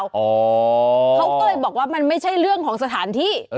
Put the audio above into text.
เขาก็เลยบอกว่ามันไม่ใช่เรื่องของสถานที่